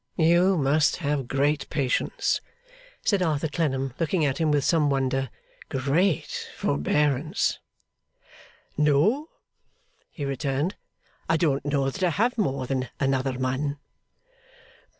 'You must have great patience,' said Arthur Clennam, looking at him with some wonder, 'great forbearance.' 'No,' he returned, 'I don't know that I have more than another man.